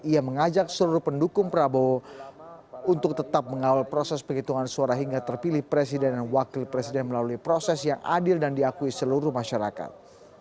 ia mengajak seluruh pendukung prabowo untuk tetap mengawal proses penghitungan suara hingga terpilih presiden dan wakil presiden melalui proses yang adil dan diakui seluruh masyarakat